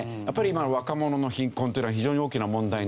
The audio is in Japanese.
今の若者の貧困というのは非常に大きな問題になっていて。